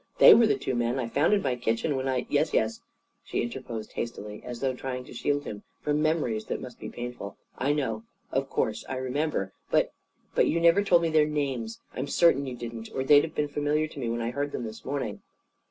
They were the two men I found in my kitchen when I " "Yes, yes," she interposed hastily, as though trying to shield him from memories that must be painful. "I know. Of course, I remember. But but you never told me their names. I'm certain you didn't. Or they'd have been familiar to me when I heard them this morning."